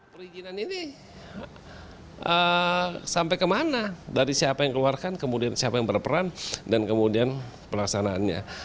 perizinan ini sampai kemana dari siapa yang keluarkan kemudian siapa yang berperan dan kemudian pelaksanaannya